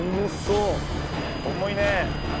重いね。